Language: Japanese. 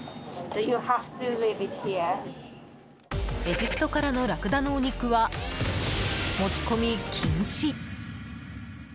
エジプトからのラクダのお肉は持ち込み禁止。